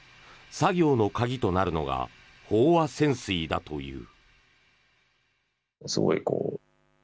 作業の鍵となるのが飽和潜水だという。